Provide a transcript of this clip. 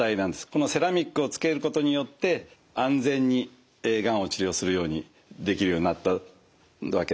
このセラミックをつけることによって安全にがんを治療するようにできるようになったわけです。